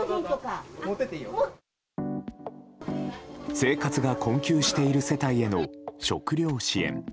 生活が困窮している世帯への食糧支援。